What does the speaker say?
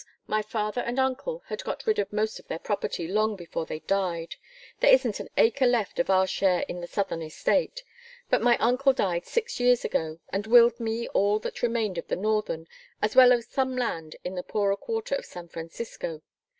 My father and uncle had got rid of most of their property long before they died; there isn't an acre left of our share in the southern estate. But my uncle died six years ago and willed me all that remained of the northern, as well as some land in the poorer quarter of San Francisco.